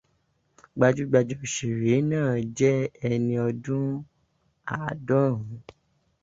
Gbájúgbajà òṣèré náà jẹ́ ẹni ọdún àádọ́rùún.